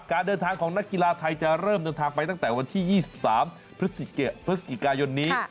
การเดินทางของนักกีฬาไทยจะเริ่มเดินทางไปตั้งแต่วันที่๒๓พฤศจิกายนนี้